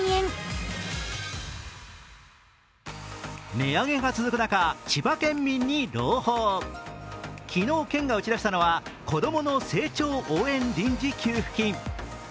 値上げが続く中、千葉県民に朗報昨日、県が打ち出したのは子どもの成長応援臨時給付金。